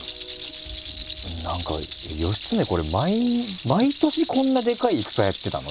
何か義経これ毎年こんなでかい戦やってたの？